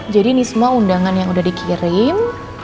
jadi ini semua undangan yang udah dikirim